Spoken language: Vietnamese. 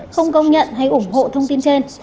không công nhận hay ủng hộ thông tin trên